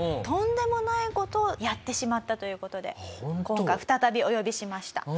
とんでもない事をやってしまったという事で今回再びお呼びしました。